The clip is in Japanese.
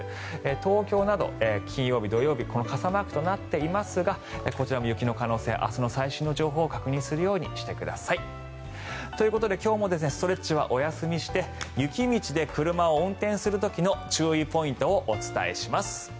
東京など金曜日、土曜日この傘マークとなっていますがこちらも雪の可能性明日の最新の情報を確認するようにしてください。ということで今日もストレッチはお休みして雪道で車を運転する時の注意ポイントをお伝えします。